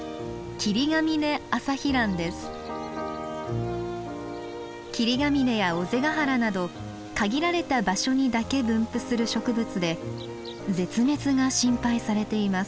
霧ヶ峰や尾瀬ヶ原など限られた場所にだけ分布する植物で絶滅が心配されています。